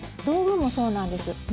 道具もそうなんです。